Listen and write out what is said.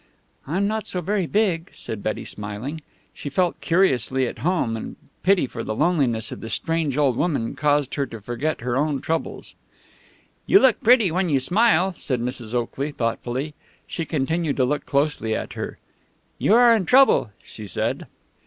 "I'm not so very big," said Betty, smiling. She felt curiously at home, and pity for the loneliness of this strange old woman caused her to forget her own troubles. "You look pretty when you smile," said Mrs. Oakley thoughtfully. She continued to look closely at her. "You are in trouble," she said.